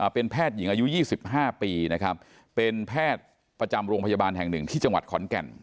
เป็นแพทย์หญิงอายุ๒๕ปีนะครับเป็นแพทย์ประจำโรงพยาบาลแห่งหนึ่งที่จังหวัดขอนแก่น